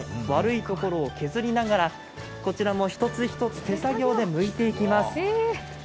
悪いところを削りながらこちらも一つ一つ手作業でむいていきます。